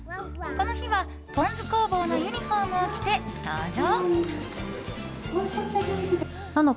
この日は、ぽん酢工房のユニホームを着て登場。